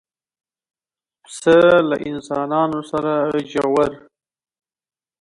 پسه له انسان سره ژور